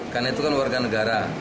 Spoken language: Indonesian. karena itu kan warga negara